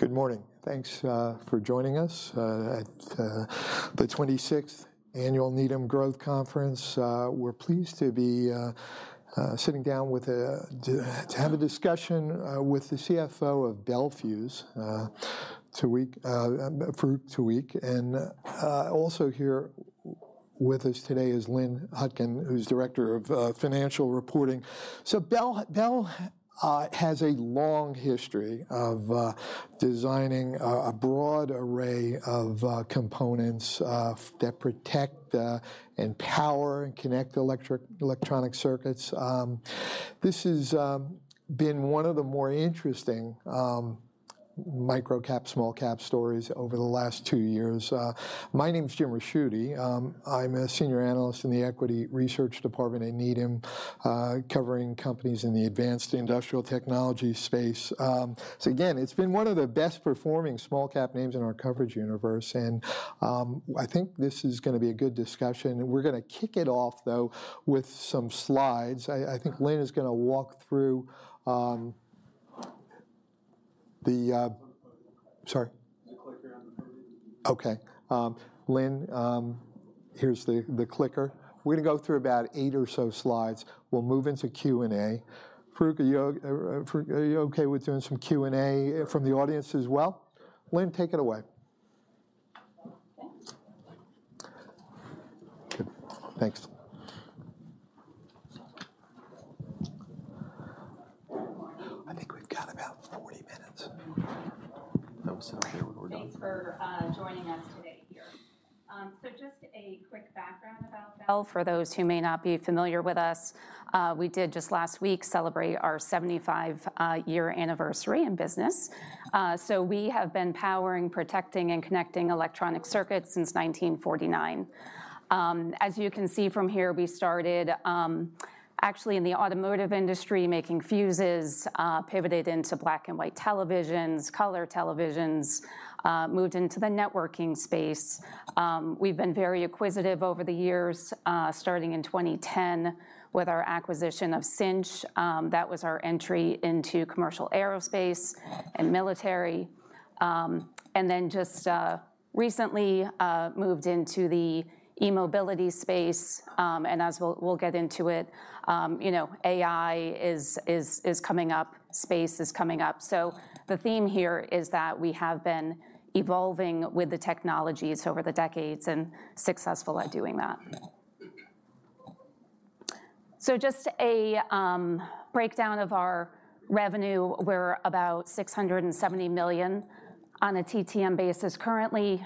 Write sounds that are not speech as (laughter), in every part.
Good morning. Thanks for joining us at the 26th Annual Needham Growth Conference. We're pleased to be sitting down with to have a discussion with the CFO of Bel Fuse, Farouq Tuweiq. And also here with us today is Lynn Hutkin, who's director of financial reporting. So Bel has a long history of designing a broad array of components that protect and power and connect electronic circuits. This has been one of the more interesting micro-cap, small-cap stories over the last two years. My name's Jim Ricchiuti. I'm a senior analyst in the equity research department at Needham, covering companies in the advanced industrial technology space. So again, it's been one of the best performing small cap names in our coverage universe, and I think this is gonna be a good discussion. We're gonna kick it off, though, with some slides. I think Lynn is gonna walk through the clicker on the podium. Sorry. The clicker on the podium. Okay. Lynn, here's the clicker. We're gonna go through about eight or so slides. We'll move into Q&A. Farouq, are you okay with doing some Q&A from the audience as well? Lynn, take it away. Thanks. I think we've got about 40 minutes. That was (unintelligible) Thanks for joining us today here. So just a quick background about Bel, for those who may not be familiar with us. We did just last week celebrate our 75-year anniversary in business. So we have been powering, protecting, and connecting electronic circuits since 1949. As you can see from here, we started actually in the automotive industry, making fuses, pivoted into black and white televisions, color televisions, moved into the networking space. We've been very acquisitive over the years, starting in 2010, with our acquisition of Cinch. That was our entry into commercial aerospace and military. And then just recently moved into the eMobility space, and as we'll get into it, you know, AI is coming up, space is coming up. So the theme here is that we have been evolving with the technologies over the decades, and successful at doing that. So just a breakdown of our revenue. We're about $670 million on a TTM basis currently.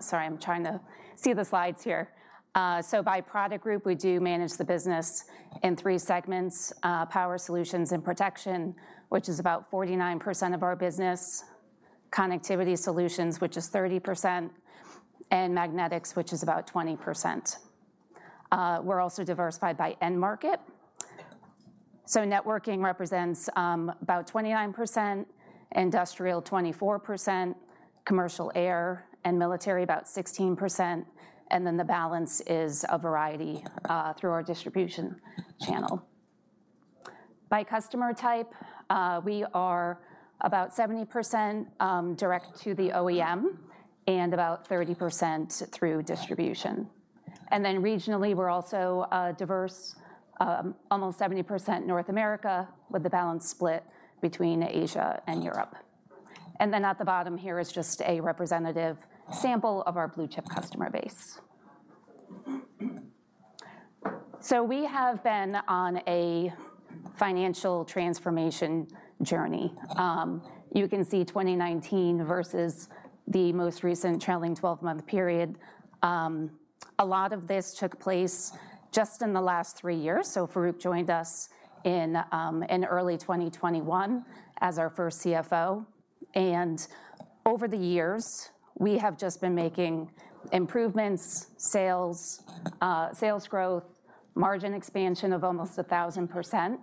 Sorry, I'm trying to see the slides here. So by product group, we do manage the business in three segments: Power Solutions and Protection, which is about 49% of our business, Connectivity Solutions, which is 30%, and Magnetics, which is about 20%. We're also diversified by end market. So networking represents about 29%, industrial, 24%, commercial air and military, about 16%, and then the balance is a variety through our distribution channel. By customer type, we are about 70% direct to the OEM, and about 30% through distribution. And then regionally, we're also diverse, almost 70% North America, with the balance split between Asia and Europe. And then at the bottom here is just a representative sample of our blue-chip customer base. So we have been on a financial transformation journey. You can see 2019 versus the most recent trailing 12 month period. A lot of this took place just in the last three years, so Farouq joined us in early 2021 as our first CFO. And over the years, we have just been making improvements, sales growth, margin expansion of almost 1,000%.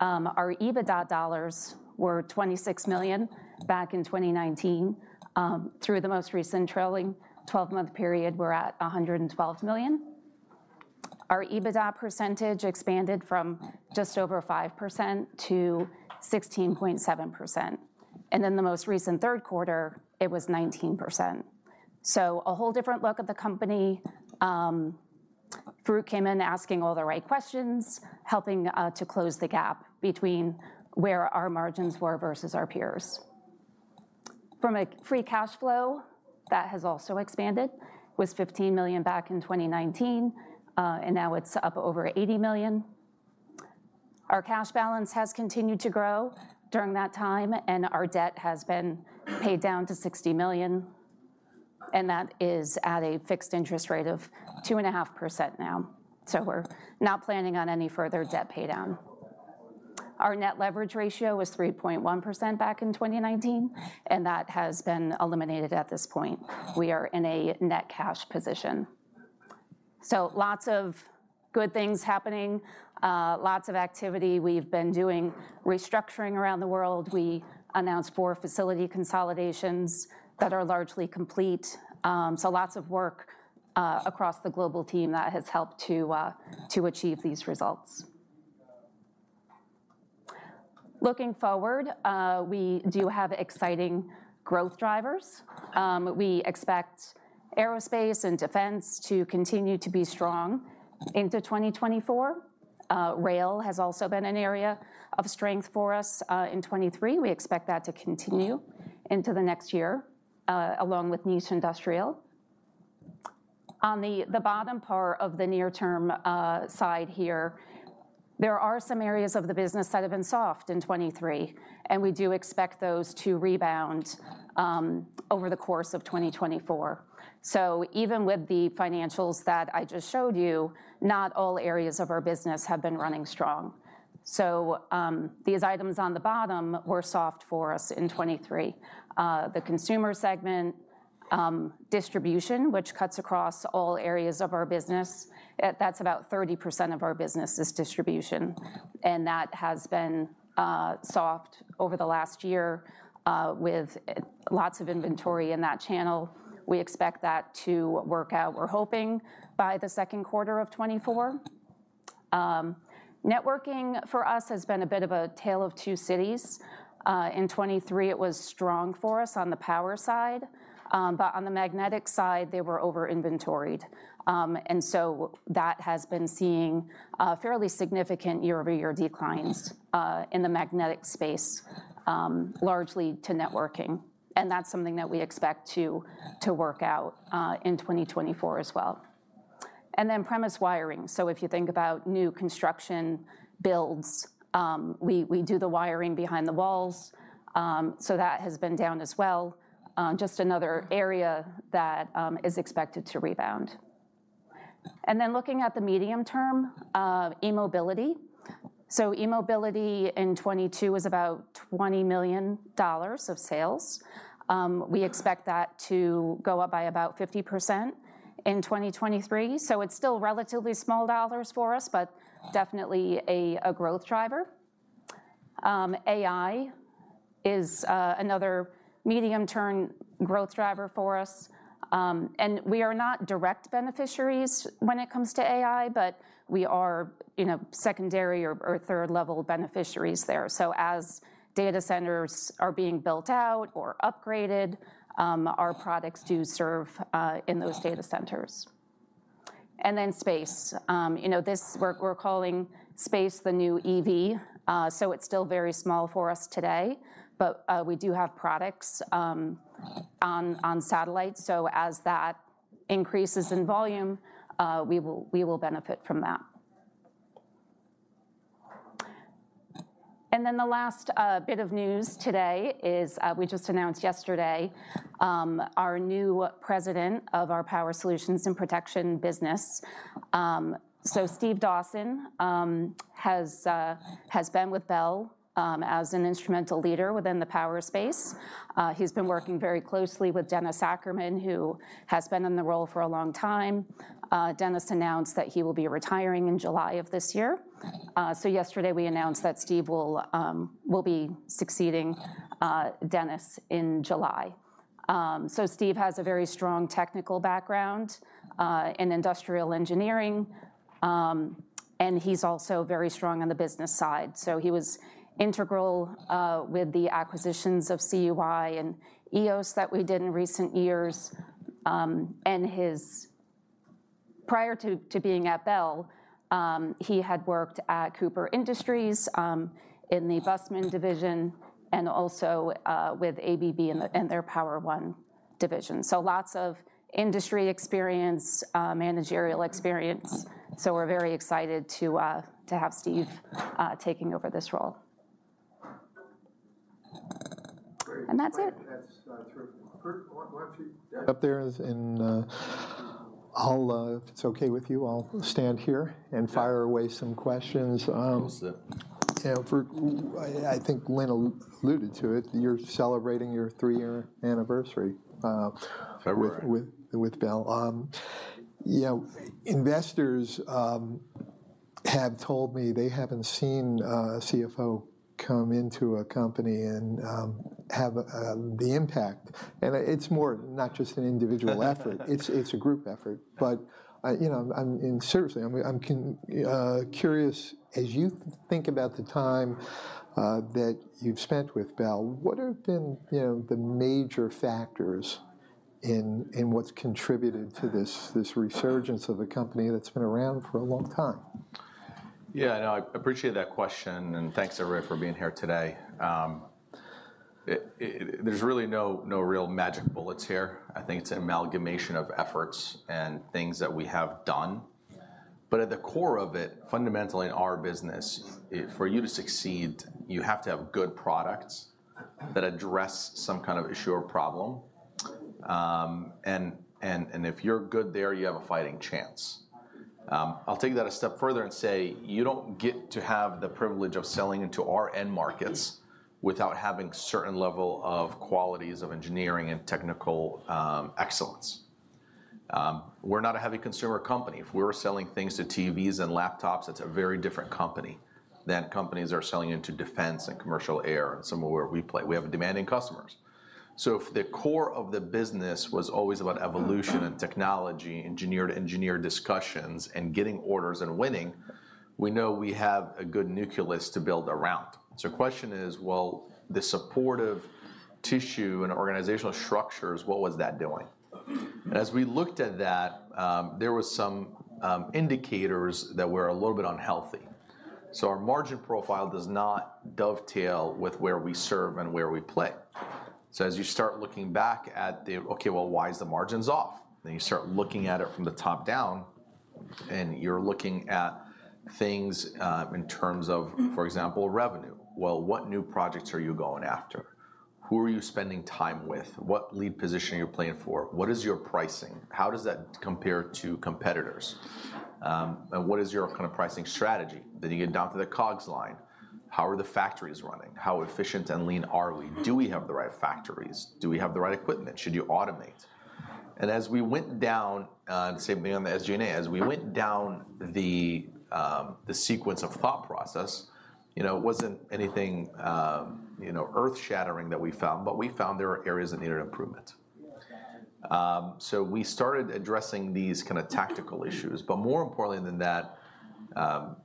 Our EBITDA dollars were $26 million back in 2019. Through the most recent trailing 12 month period, we're at $112 million. Our EBITDA percentage expanded from just over 5%-16.7%, and then the most recent Q3, it was 19%. So a whole different look of the company. Farouq came in asking all the right questions, helping to close the gap between where our margins were versus our peers. From a free cash flow, that has also expanded. It was $15 million back in 2019, and now it's up over $80 million. Our cash balance has continued to grow during that time, and our debt has been paid down to $60 million, and that is at a fixed interest rate of 2.5% now. So we're not planning on any further debt paydown. Our net leverage ratio was 3.1% back in 2019, and that has been eliminated at this point. We are in a net cash position. So lots of good things happening, lots of activity. We've been doing restructuring around the world. We announced four facility consolidations that are largely complete. So lots of work across the global team that has helped to achieve these results.... Looking forward, we do have exciting growth drivers. We expect Aerospace and Defense to continue to be strong into 2024. Rail has also been an area of strength for us in 2023. We expect that to continue into the next year, along with niche industrial. On the bottom part of the near-term side here, there are some areas of the business that have been soft in 2023, and we do expect those to rebound over the course of 2024. So even with the financials that I just showed you, not all areas of our business have been running strong. So, these items on the bottom were soft for us in 2023. The consumer segment, distribution, which cuts across all areas of our business, that's about 30% of our business is distribution, and that has been soft over the last year, with lots of inventory in that channel. We expect that to work out, we're hoping, by the Q2 of 2024. Networking for us has been a bit of a tale of two cities. In 2023, it was strong for us on the power side, but on the Magnetic side, they were over-inventoried. And so that has been seeing a fairly significant year-over-year declines in the Magnetic space, largely to networking. And that's something that we expect to work out in 2024 as well. And then premise wiring. So if you think about new construction builds, we do the wiring behind the walls, so that has been down as well. Just another area that is expected to rebound. And then looking at the medium term, eMobility. So eMobility in 2022 was about $20 million of sales. We expect that to go up by about 50% in 2023. So it's still relatively small dollars for us, but definitely a growth driver. AI is another medium-term growth driver for us. And we are not direct beneficiaries when it comes to AI, but we are, you know, secondary or third-level beneficiaries there. So as data centers are being built out or upgraded, our products do serve in those data centers. And then Space. You know, we're calling Space the new EV. So it's still very small for us today, but, we do have products on satellite. So as that increases in volume, we will benefit from that. And then the last bit of news today is, we just announced yesterday, our new president of our Power Solutions and Protection business. So Steve Dawson has been with Bel as an instrumental leader within the power space. He's been working very closely with Dennis Ackerman, who has been in the role for a long time. Dennis announced that he will be retiring in July of this year. So yesterday we announced that Steve will be succeeding Dennis in July. So Steve has a very strong technical background in industrial engineering, and he's also very strong on the business side. So he was integral with the acquisitions of CUI and EOS that we did in recent years. Prior to being at Bel, he had worked at Cooper Industries in the Bussmann division, and also with ABB in their Power-One division. So lots of industry experience, managerial experience, so we're very excited to have Steve taking over this role. And that's it. up there and, (unintelligible) if it's okay with you, I'll stand here and fire away some questions. You know, I think Lynn alluded to it, you're celebrating your three-year anniversary. February... with Bel. You know, investors have told me they haven't seen a CFO come into a company and have the impact. And it's more not just an individual effort-... it's a group effort. But you know, I'm- and seriously, I'm curious, as you think about the time that you've spent with Bel, what have been, you know, the major factors in what's contributed to this resurgence of the company that's been around for a long time? Yeah, I know. I appreciate that question, and thanks, everybody, for being here today. There's really no real magic bullets here. I think it's an amalgamation of efforts and things that we have done. But at the core of it, fundamentally in our business, for you to succeed, you have to have good products that address some kind of issue or problem. And if you're good there, you have a fighting chance. I'll take that a step further and say you don't get to have the privilege of selling into our end markets without having certain level of qualities of engineering and technical excellence. We're not a heavy consumer company. If we were selling things to TVs and laptops, it's a very different company than companies that are selling into defense and commercial air, and some of where we play. We have demanding customers. So if the core of the business was always about evolution and technology, engineer-to-engineer discussions, and getting orders and winning-... we know we have a good nucleus to build around. So the question is, well, the supportive tissue and organizational structures, what was that doing? And as we looked at that, there was some indicators that were a little bit unhealthy. So our margin profile does not dovetail with where we serve and where we play. So as you start looking back at the, "Okay, well, why is the margins off?" Then you start looking at it from the top down, and you're looking at things, in terms of, for example, revenue. Well, what new projects are you going after? Who are you spending time with? What lead position are you playing for? What is your pricing? How does that compare to competitors? And what is your kind of pricing strategy? Then you get down to the COGS line. How are the factories running? How efficient and lean are we? Do we have the right factories? Do we have the right equipment? Should you automate? And as we went down, the same thing on the SG&A, as we went down the sequence of thought process, you know, it wasn't anything, you know, earth-shattering that we found, but we found there were areas that needed improvement. So we started addressing these kind of tactical issues, but more importantly than that,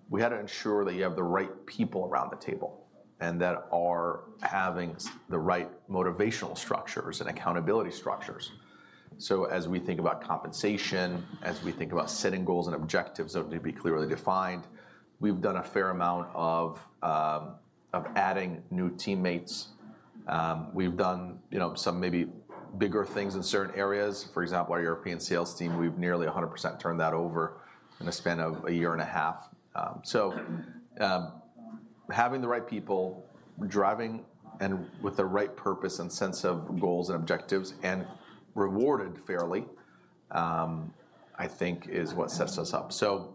we had to ensure that you have the right people around the table, and that are having the right motivational structures and accountability structures. So as we think about compensation, as we think about setting goals and objectives that would be clearly defined, we've done a fair amount of adding new teammates. We've done, you know, some maybe bigger things in certain areas. For example, our European sales team, we've nearly 100% turned that over in a span of a year and a half. So, having the right people, driving and with the right purpose and sense of goals and objectives, and rewarded fairly, I think is what sets us up. So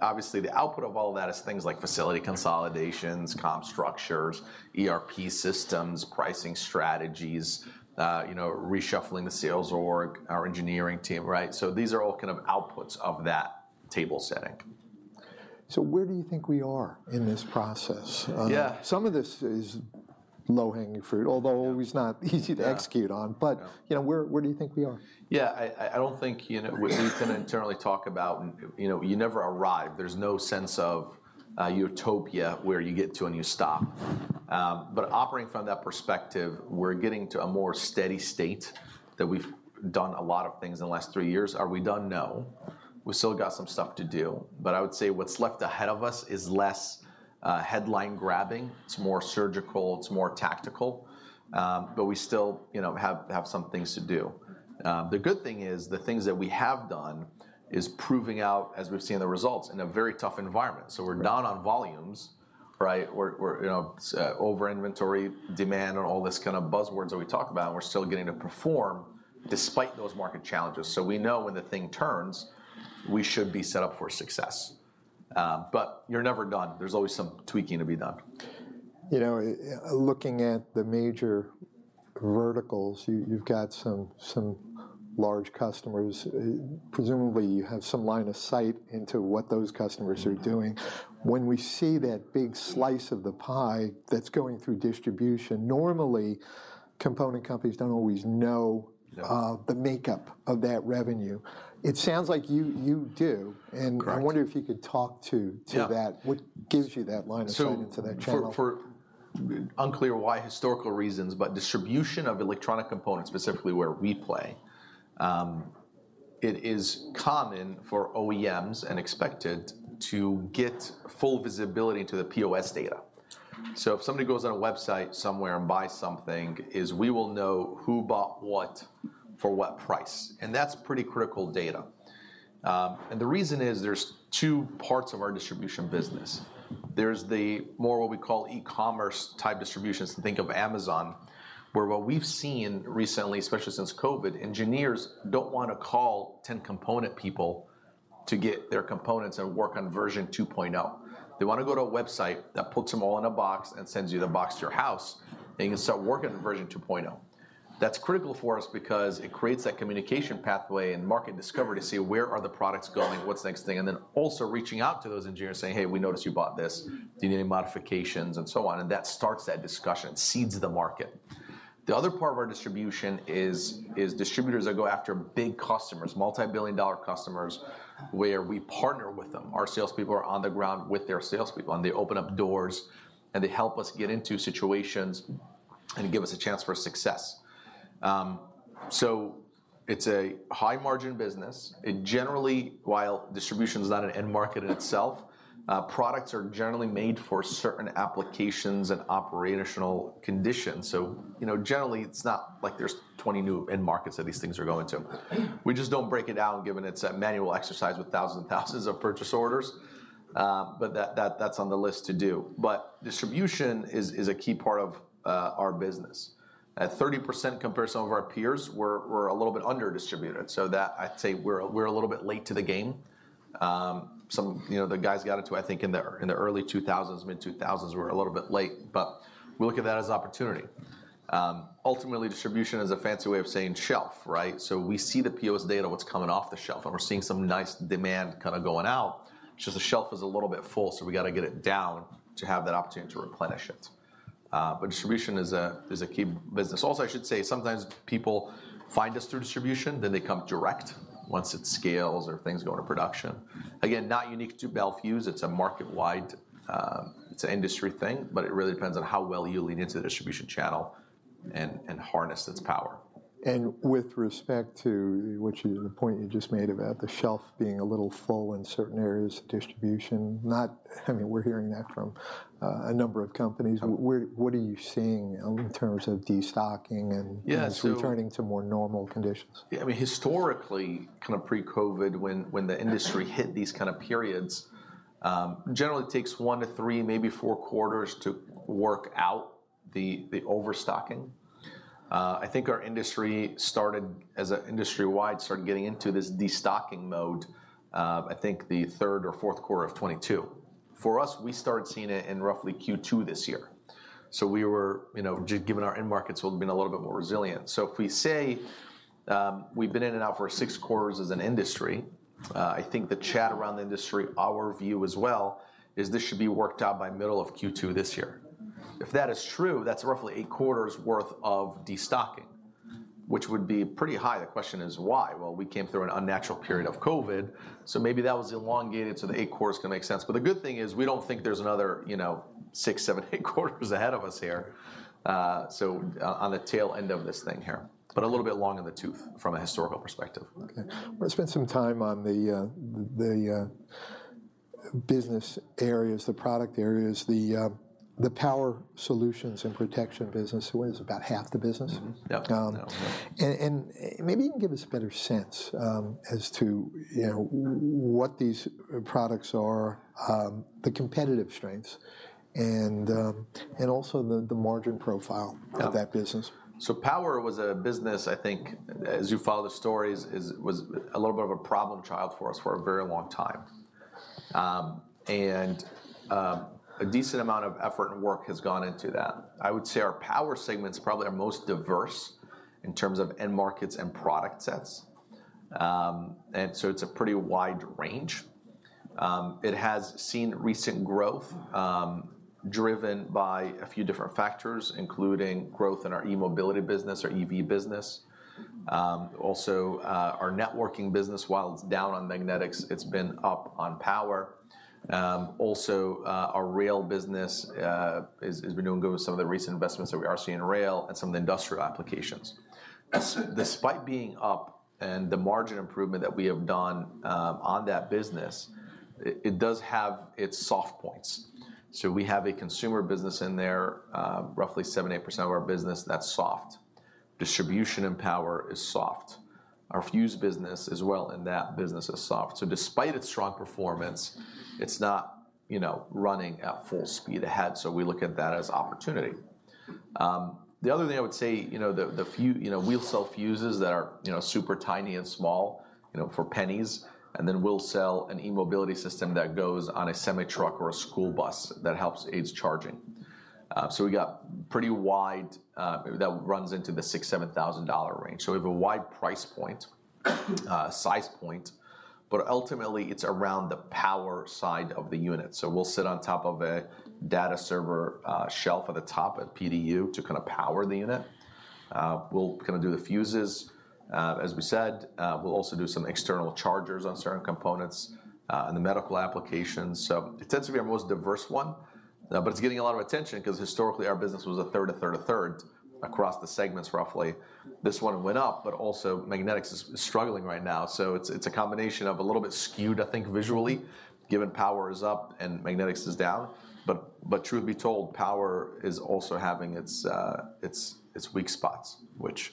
obviously, the output of all that is things like facility consolidations, comp structures, ERP systems, pricing strategies, you know, reshuffling the sales org, our engineering team, right? So these are all kind of outputs of that table setting. So where do you think we are in this process? Yeah. Some of this is low-hanging fruit, although always not easy to execute on. Yeah. You know, where do you think we are? Yeah, I don't think, you know, what we can internally talk about, you know, you never arrive. There's no sense of utopia, where you get to and you stop. But operating from that perspective, we're getting to a more steady state that we've done a lot of things in the last three years. Are we done? No. We've still got some stuff to do, but I would say what's left ahead of us is less headline grabbing. It's more surgical, it's more tactical, but we still, you know, have some things to do. The good thing is, the things that we have done is proving out, as we've seen the results, in a very tough environment. So we're down on volumes, right? We're you know, over inventory, demand, and all this kind of buzzwords that we talk about, and we're still getting to perform despite those market challenges. So we know when the thing turns, we should be set up for success. But you're never done. There's always some tweaking to be done. You know, looking at the major verticals, you've got some large customers. Presumably, you have some line of sight into what those customers are doing. Mm-hmm. When we see that big slice of the pie that's going through distribution, normally, component companies don't always know the makeup of that revenue. It sounds like you do. Correct. I wonder if you could talk to that. Yeah. What gives you that line of sight into that channel? So, for unclear why, historical reasons, but distribution of electronic components, specifically where we play, it is common for OEMs and expected to get full visibility into the POS data. So if somebody goes on a website somewhere and buys something, we will know who bought what, for what price, and that's pretty critical data. And the reason is there's 2 parts of our distribution business. There's the more what we call e-commerce type distributions. So think of Amazon, where what we've seen recently, especially since COVID, engineers don't wanna call 10 component people to get their components and work on version 2.0. They wanna go to a website that puts them all in a box and sends you the box to your house, and you can start working on version 2.0. That's critical for us because it creates that communication pathway and market discovery to see where are the products going, what's the next thing? And then also reaching out to those engineers saying, "Hey, we noticed you bought this. Do you need any modifications?" And so on, and that starts that discussion, seeds the market. The other part of our distribution is distributors that go after big customers, multi-billion dollar customers, where we partner with them. Our salespeople are on the ground with their salespeople, and they open up doors, and they help us get into situations and give us a chance for success. So it's a high-margin business. It generally... While distribution is not an end market in itself, products are generally made for certain applications and operational conditions. So, you know, generally, it's not like there's 20 new end markets that these things are going to. We just don't break it down, given it's a manual exercise with thousands and thousands of purchase orders, but that's on the list to do. But distribution is a key part of our business. At 30% compared to some of our peers, we're a little bit under distributed. So that, I'd say we're a little bit late to the game. Some, you know, the guys got into it, I think, in the early 2000s, mid-2000s. We're a little bit late, but we look at that as opportunity. Ultimately, distribution is a fancy way of saying shelf, right? So we see the POS data, what's coming off the shelf, and we're seeing some nice demand kind of going out. It's just the shelf is a little bit full, so we gotta get it down to have that opportunity to replenish it. But distribution is a key business. Also, I should say, sometimes people find us through distribution, then they come direct once it scales or things go into production. Again, not unique to Bel Fuse. It's a market-wide. It's an industry thing, but it really depends on how well you lean into the distribution channel and harness its power. And with respect to, which is the point you just made about the shelf being a little full in certain areas of distribution, I mean, we're hearing that from a number of companies. What, what are you seeing in terms of destocking and- Yeah, so- and returning to more normal conditions? Yeah, I mean, historically, kind of pre-COVID, when, when the industry- Hit these kind of periods, generally it takes one to three, maybe four quarters to work out the overstocking. I think our industry started industry-wide, getting into this destocking mode, I think the third or Q4 of 2022. For us, we started seeing it in roughly Q2 this year. So we were, you know, given our end markets, we've been a little bit more resilient. So if we say, we've been in and out for six quarters as an industry, I think the chat around the industry, our view as well, is this should be worked out by middle of Q2 this year. If that is true, that's roughly eight quarters worth of destocking, which would be pretty high. The question is, why? Well, we came through an unnatural period of COVID, so maybe that was elongated, so the eight quarters can make sense. But the good thing is, we don't think there's another, you know, six, seven, eight quarters ahead of us here, so on the tail end of this thing here, but a little bit long in the tooth from a historical perspective. Okay. I want to spend some time on the business areas, the product areas, the Power Solutions and Protection business. What is it? About half the business? Mm-hmm. Yep. And maybe you can give us a better sense as to, you know, what these products are, the competitive strengths and also the margin profile? Yeah of that business. So Power was a business, I think, as you follow the stories, was a little bit of a problem child for us for a very long time. And, a decent amount of effort and work has gone into that. I would say our Power segment's probably our most diverse in terms of end markets and product sets. And so it's a pretty wide range. It has seen recent growth, driven by a few different factors, including growth in our eMobility business, our EV business. Also, our networking business, while it's down on Magnetics, it's been up on Power. Also, our Rail business has been doing good with some of the recent investments that we are seeing in Rail and some of the industrial applications. Despite being up and the margin improvement that we have done on that business, it does have its soft points. So we have a consumer business in there, roughly 7-8% of our business, that's soft. Distribution and power is soft. Our fuse business as well in that business is soft. So despite its strong performance, it's not, you know, running at full speed ahead, so we look at that as opportunity. The other thing I would say, you know, the fuse, you know, we'll sell fuses that are, you know, super tiny and small, you know, for pennies, and then we'll sell an eMobility system that goes on a semi-truck or a school bus that helps aids charging. So we got pretty wide, that runs into the $6,000-7,000 range. So we have a wide price point, size point, but ultimately it's around the power side of the unit. So we'll sit on top of a data server shelf at the top, a PDU, to kind of power the unit. We'll kind of do the fuses. As we said, we'll also do some external chargers on certain components, and the medical applications. So it tends to be our most diverse one, but it's getting a lot of attention because historically, our business was a third, a third, a third, across the segments, roughly. This one went up, but also magnetics is struggling right now. So it's a combination of a little bit skewed, I think, visually, given Power is up and Magnetics is down. But truth be told, power is also having its weak spots, which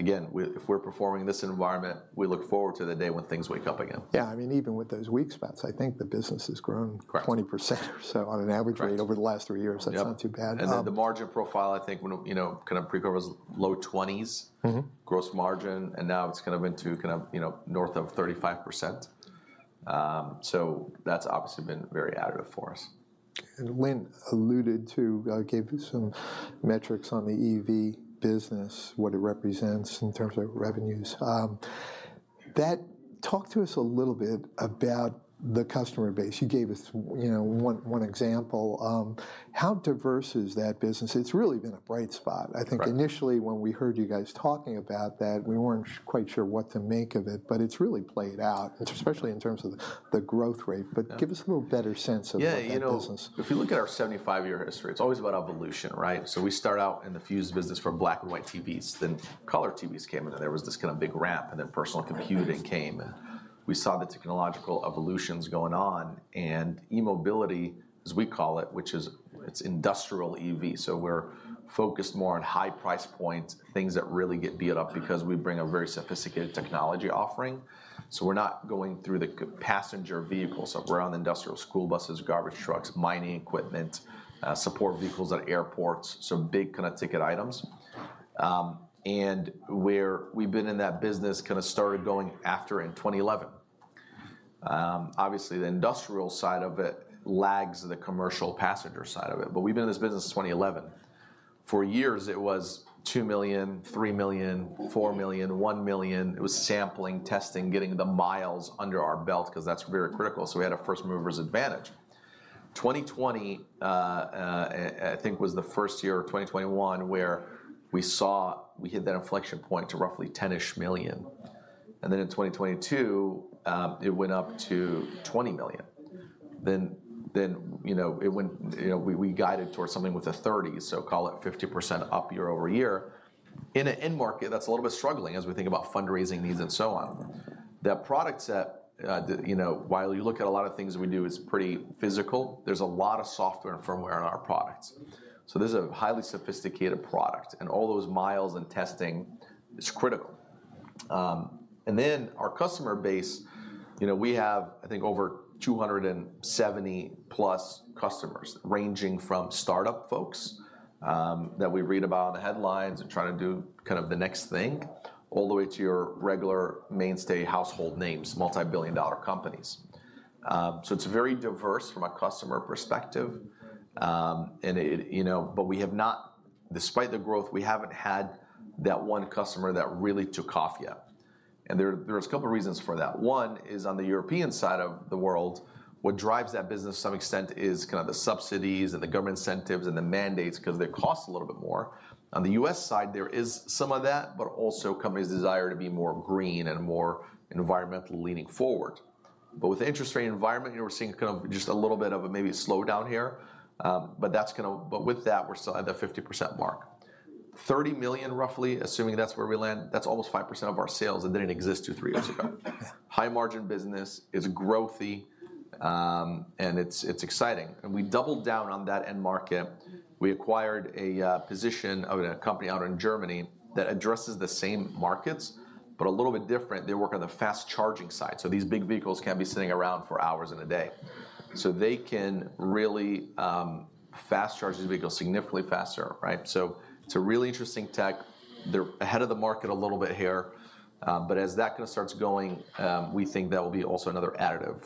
again, if we're performing in this environment, we look forward to the day when things wake up again. Yeah. I mean, even with those weak spots, I think the business has grown- Correct... 20% or so on an average rate- Right over the last three years. Yep. That's not too bad. Then the margin profile, I think, when, you know, kind of pre-COVID was low 20s. Mm-hmm. Gross margin, and now it's kind of into kind of, you know, north of 35%. So that's obviously been very additive for us. Lynn alluded to, gave you some metrics on the EV business, what it represents in terms of revenues. Talk to us a little bit about the customer base. You gave us, you know, one example. How diverse is that business? It's really been a bright spot. Right. I think initially when we heard you guys talking about that, we weren't quite sure what to make of it, but it's really played out, especially in terms of the growth rate. Yeah. But give us a little better sense of that business. Yeah, you know, if you look at our 75-year history, it's always about evolution, right? So we start out in the fuse business from black and white TVs, then color TVs came in, and there was this kind of big ramp, and then personal computing came, and we saw the technological evolutions going on. And eMobility, as we call it, which is, it's industrial EV, so we're focused more on high price points, things that really get beat up because we bring a very sophisticated technology offering. So we're not going through the passenger vehicles, so we're on industrial school buses, garbage trucks, mining equipment, support vehicles at airports, so big kind of ticket items. And we've been in that business, kind of started going after in 2011. Obviously, the industrial side of it lags the commercial passenger side of it, but we've been in this business since 2011. For years, it was $2 million, $3 million, $4 million, $1 million. It was sampling, testing, getting the miles under our belt, because that's very critical, so we had a first mover's advantage. 2020, I think was the first year, or 2021, where we saw we hit that inflection point to roughly $10 million, and then in 2022, it went up to $20 million. Then, you know, it went, you know, we guided towards something with the thirties, so call it 50% up year-over-year. In an end market, that's a little bit struggling as we think about fundraising needs and so on. That product set, you know, while you look at a lot of things that we do is pretty physical, there's a lot of software and firmware in our products. So this is a highly sophisticated product, and all those miles and testing is critical. And then our customer base, you know, we have, I think, over 270+ customers, ranging from startup folks that we read about in the headlines and trying to do kind of the next thing, all the way to your regular mainstay household names, multi-billion dollar companies. So it's very diverse from a customer perspective, and it, you know, but we have not, despite the growth, we haven't had that one customer that really took off yet, and there, there's a couple of reasons for that. One is on the European side of the world. What drives that business to some extent is kind of the subsidies and the government incentives and the mandates, 'cause they cost a little bit more. On the US side, there is some of that, but also companies' desire to be more green and more environmental leaning forward. But with interest rate environment, you know, we're seeing kind of just a little bit of a maybe slowdown here, but with that, we're still at the 50% mark. $30 million, roughly, assuming that's where we land, that's almost 5% of our sales, and didn't exist two-three years ago. High margin business, is growthy, and it's, it's exciting. And we doubled down on that end market. We acquired a position of a company out in Germany that addresses the same markets, but a little bit different. They work on the fast charging side, so these big vehicles can be sitting around for hours in a day. So they can really fast charge these vehicles significantly faster, right? So it's a really interesting tech. They're ahead of the market a little bit here, but as that kind of starts going, we think that will be also another additive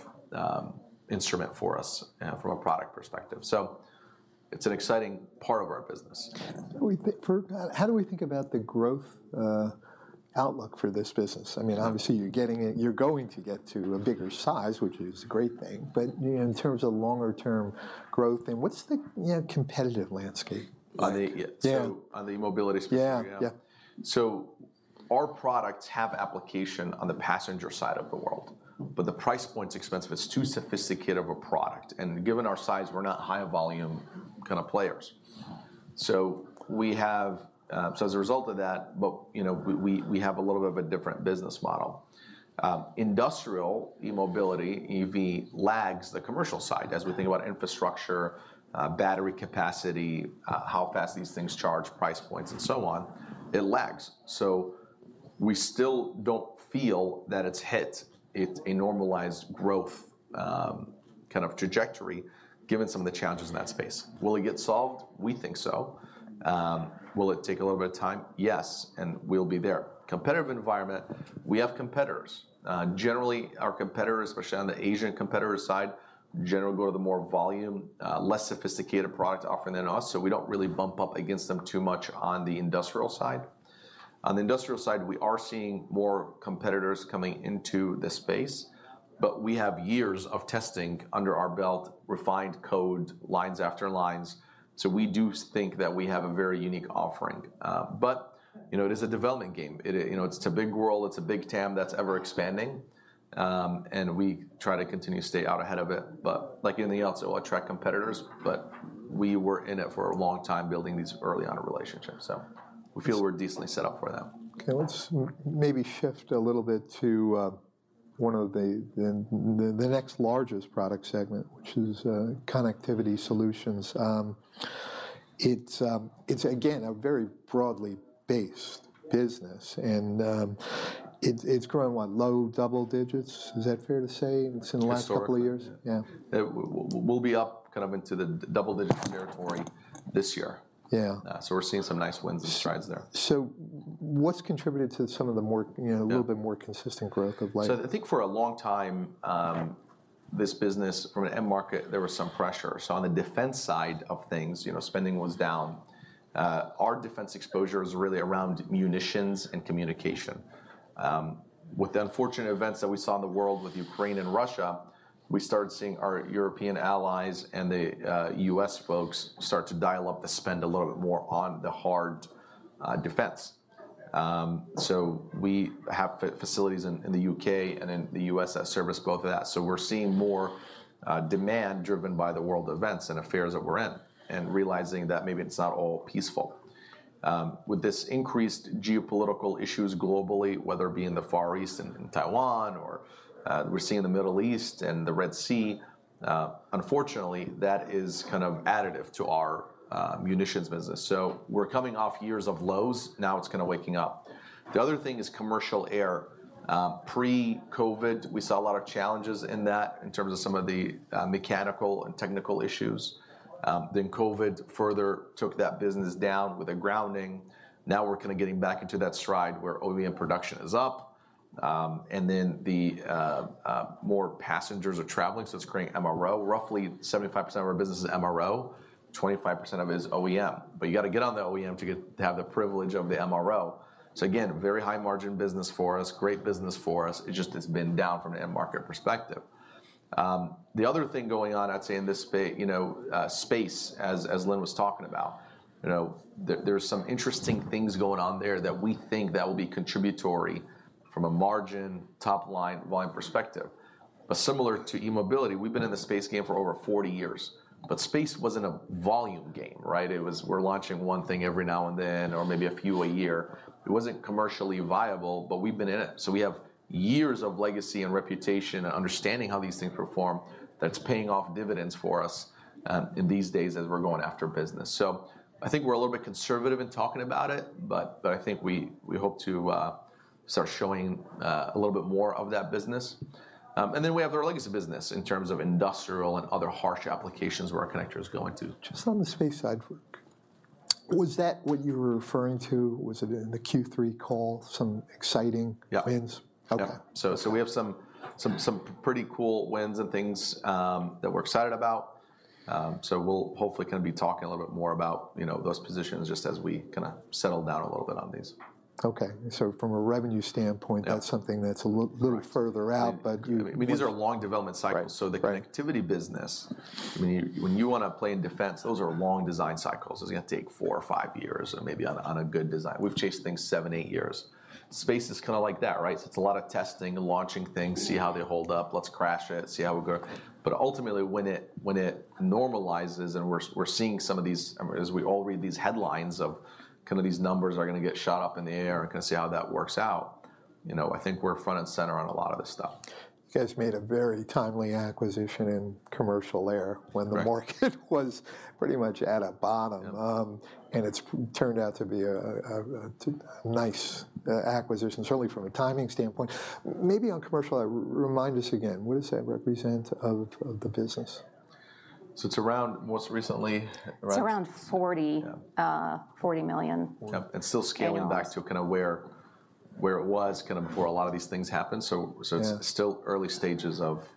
instrument for us from a product perspective. So it's an exciting part of our business. We think for, how do we think about the growth, outlook for this business? I mean, obviously, you're going to get to a bigger size, which is a great thing, but, you know, in terms of longer term growth and what's the, you know, competitive landscape like? On the, yeah. Yeah. On the mobility space? Yeah. Yeah. So our products have application on the passenger side of the world, but the price point's expensive. It's too sophisticated of a product, and given our size, we're not high volume kind of players. So as a result of that, but, you know, we have a little bit of a different business model. Industrial eMobility, EV lags the commercial side, as we think about infrastructure, battery capacity, how fast these things charge, price points, and so on, it lags. So we still don't feel that it's hit a normalized growth, kind of trajectory, given some of the challenges in that space. Will it get solved? We think so. Will it take a little bit of time? Yes, and we'll be there. Competitive environment, we have competitors. Generally, our competitors, especially on the Asian competitor side, generally go to the more volume, less sophisticated product offering than us, so we don't really bump up against them too much on the industrial side. On the industrial side, we are seeing more competitors coming into the space, but we have years of testing under our belt, refined code, lines after lines, so we do think that we have a very unique offering. But, you know, it is a development game. It, you know, it's a big world, it's a big TAM that's ever expanding, and we try to continue to stay out ahead of it. But like anything else, it will attract competitors, but we were in it for a long time, building these early on relationships. So we feel we're decently set up for that. Okay, let's maybe shift a little bit to one of the next largest product segment, which is connectivity solutions. It's again a very broadly based business, and it's growing, what? Low double digits. Is that fair to say, it's in the last couple of years? Yeah. We'll be up kind of into the double-digit territory this year. Yeah. We're seeing some nice wins and strides there. So what's contributed to some of the more, you know- Yeah... a little bit more consistent growth of like- So I think for a long time, this business from an end market, there was some pressure. So on the defense side of things, you know, spending was down. Our defense exposure is really around munitions and communication. With the unfortunate events that we saw in the world with Ukraine and Russia, we started seeing our European allies and the US folks start to dial up the spend a little bit more on the hard defense. So we have facilities in the UK and in the US that service both of that. So we're seeing more demand driven by the world events and affairs that we're in, and realizing that maybe it's not all peaceful. With this increased geopolitical issues globally, whether it be in the Far East and in Taiwan, or we're seeing in the Middle East and the Red Sea, unfortunately, that is kind of additive to our munitions business. So we're coming off years of lows, now it's kind of waking up. The other thing is commercial air. Pre-COVID, we saw a lot of challenges in that, in terms of some of the mechanical and technical issues. Then COVID further took that business down with a grounding. Now we're kind of getting back into that stride where OEM production is up, and then the more passengers are traveling, so it's creating MRO. Roughly 75% of our business is MRO, 25% of it is OEM. But you gotta get on the OEM to get to have the privilege of the MRO. So again, very high margin business for us, great business for us. It just it's been down from an end market perspective. The other thing going on, I'd say, in this Space, you know, as Lynn was talking about, you know, there, there's some interesting things going on there that we think that will be contributory from a margin, top line, volume perspective. But similar to e-mobility, we've been in the Space game for over 40 years, but Space wasn't a volume game, right? It was, we're launching one thing every now and then, or maybe a few a year. It wasn't commercially viable, but we've been in it, so we have years of legacy and reputation and understanding how these things perform that's paying off dividends for us in these days as we're going after business. So I think we're a little bit conservative in talking about it, but I think we hope to start showing a little bit more of that business. And then we have our legacy business in terms of industrial and other harsh applications where our connector is going to. Just on the Space side, was that what you were referring to? Was it in the Q3 call, some exciting- Yeah. -wins? Yeah. Okay. We have some pretty cool wins and things that we're excited about. We'll hopefully gonna be talking a little bit more about, you know, those positions just as we kind of settle down a little bit on these. Okay. So from a revenue standpoint Yeah... that's something that's a lit- Right... little further out, but you- I mean, these are long development cycles. Right. So the connectivity business, I mean, when you want to play in defense, those are long design cycles. It's gonna take four or five years, maybe on a good design. We've chased things seven, eight years. Space is kind of like that, right? So it's a lot of testing and launching things, see how they hold up, let's crash it, see how it goes. But ultimately, when it normalizes and we're seeing some of these, as we all read these headlines of kind of these numbers are gonna get shot up in the air and kind of see how that works out, you know, I think we're front and center on a lot of this stuff. You guys made a very timely acquisition in commercial air- Right... when the market was pretty much at a bottom. Yeah. And it's turned out to be a nice acquisition, certainly from a timing standpoint. Maybe on commercial, remind us again, what does that represent of the business? It's around, most recently, right- It's around 40- Yeah $40 million. Yeah, and still- Annual... scaling back to kind of where it was kind of before a lot of these things happened. So- Yeah... so it's still early stages of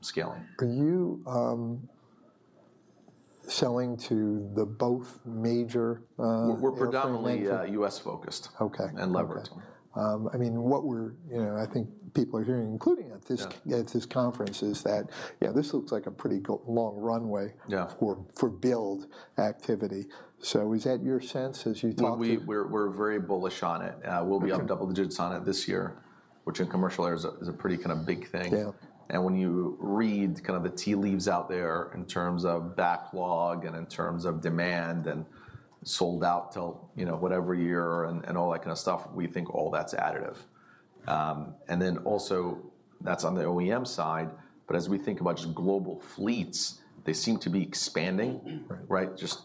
scaling. Are you selling to the both major airplane- We're predominantly- Yeah... US focused- Okay -and leveraged. I mean, what we're, you know, I think people are hearing, including at this- Yeah... at this conference, is that, yeah, this looks like a pretty long runway- Yeah... for build activity. So is that your sense as you talk to- Well, we're very bullish on it. Okay. We'll be up double digits on it this year, which in commercial air is a pretty kind of big thing. Yeah. When you read kind of the tea leaves out there in terms of backlog and in terms of demand and sold out till, you know, whatever year and all that kind of stuff, we think all that's additive. Then also that's on the OEM side, but as we think about just global fleets, they seem to be expanding. Mm-hmm. Right? Just,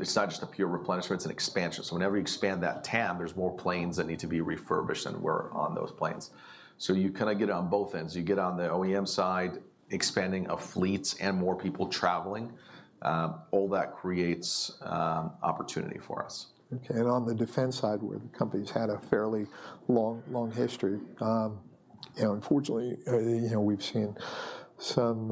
it's not just a pure replenishment, it's an expansion. So whenever you expand that TAM, there's more planes that need to be refurbished, than were on those planes. So you kind of get on both ends. You get on the OEM side, expanding of fleets and more people traveling, all that creates opportunity for us. Okay. And on the defense side, where the company's had a fairly long, long history, you know, unfortunately, you know, we've seen some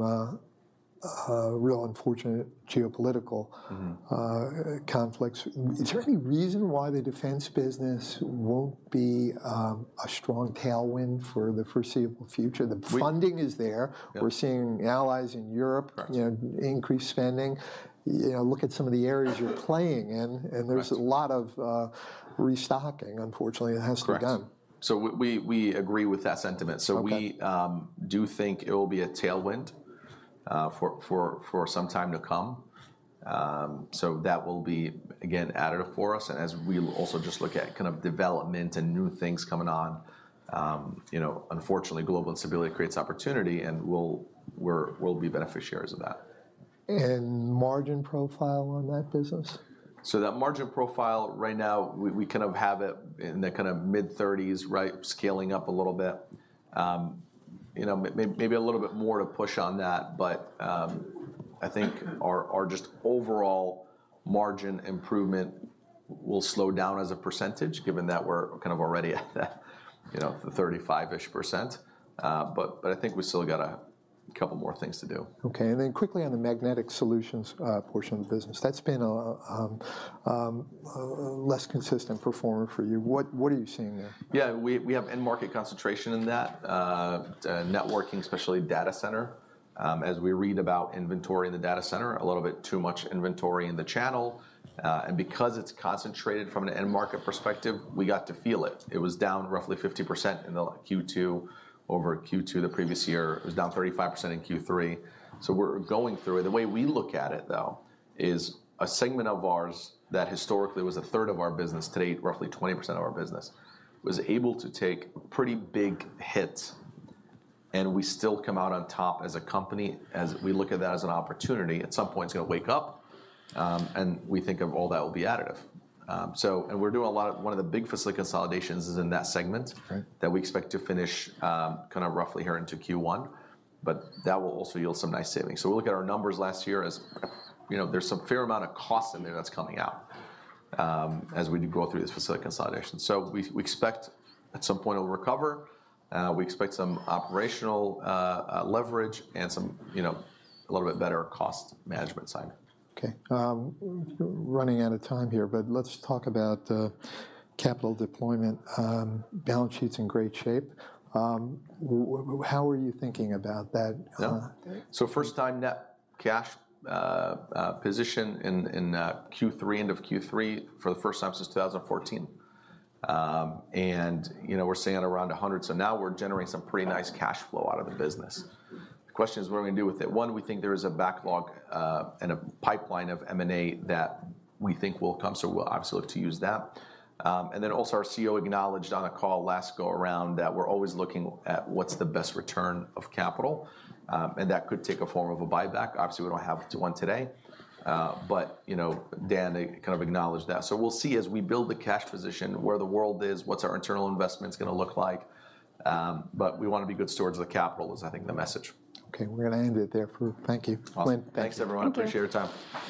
real unfortunate geopolitical- Mm-hmm... conflicts. Is there any reason why the defense business won't be a strong tailwind for the foreseeable future? We- The funding is there. Yeah. We're seeing allies in Europe- Correct... you know, increased spending. You know, look at some of the areas you're playing in- Correct... and there's a lot of restocking, unfortunately, that has to be done. Correct. So we agree with that sentiment. Okay. So we do think it will be a tailwind for some time to come. So that will be, again, additive for us. And as we also just look at kind of development and new things coming on, you know, unfortunately, global instability creates opportunity, and we'll be beneficiaries of that. Margin profile on that business? So that margin profile right now, we kind of have it in the mid-30s, right? Scaling up a little bit. You know, maybe a little bit more to push on that, but I think our overall margin improvement will slow down as a percentage, given that we're kind of already at that, you know, the 35-ish%. But I think we still got a couple more things to do. Okay, and then quickly on the Magnetic Solutions portion of the business, that's been a less consistent performer for you. What are you seeing there? Yeah, we have end market concentration in that networking, especially data center. As we read about inventory in the data center, a little bit too much inventory in the channel, and because it's concentrated from an end market perspective, we got to feel it. It was down roughly 50% in the Q2, over Q2 the previous year. It was down 35% in Q3. So we're going through it. The way we look at it, though, is a segment of ours that historically was a third of our business, today roughly 20% of our business, was able to take pretty big hits, and we still come out on top as a company, as we look at that as an opportunity. At some point, it's gonna wake up, and we think of all that will be additive. One of the big facility consolidations is in that segment. Right... that we expect to finish kind of roughly here into Q1, but that will also yield some nice savings. So we look at our numbers last year as, you know, there's some fair amount of cost in there that's coming out as we go through this facility consolidation. So we expect at some point it'll recover, we expect some operational leverage and some, you know, a little bit better cost management side. Okay. We're running out of time here, but let's talk about capital deployment. Balance sheet's in great shape. How are you thinking about that? Yeah. First time net cash position in Q3, end of Q3, for the first time since 2014. And, you know, we're sitting at around $100, so now we're generating some pretty nice cash flow out of the business. The question is, what are we gonna do with it? One, we think there is a backlog and a pipeline of M&A that we think will come, so we'll obviously look to use that. And then also our CEO acknowledged on a call last go around, that we're always looking at what's the best return of capital, and that could take a form of a buyback. Obviously, we don't have one today, but you know, Dan kind of acknowledged that. So we'll see as we build the cash position, where the world is, what's our internal investments gonna look like, but we wanna be good stewards of the capital, is, I think, the message. Okay, we're gonna end it there for... Thank you. Awesome. Lynn, thank you. Thanks, everyone. Thank you. I appreciate your time.